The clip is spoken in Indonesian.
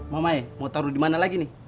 mamae mau taruh dimana lagi nih